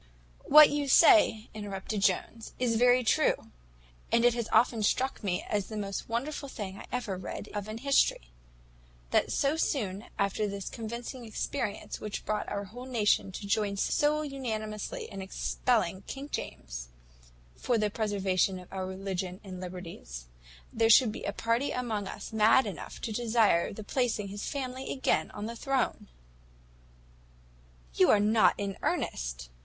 "What you say," interrupted Jones, "is very true; and it has often struck me, as the most wonderful thing I ever read of in history, that so soon after this convincing experience which brought our whole nation to join so unanimously in expelling King James, for the preservation of our religion and liberties, there should be a party among us mad enough to desire the placing his family again on the throne." "You are not in earnest!"